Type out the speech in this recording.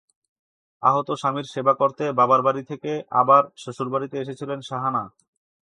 আহত স্বামীর সেবা করতে বাবার বাড়ি থেকে আবার শ্বশুরবাড়িতে এসেছিলেন শাহানা।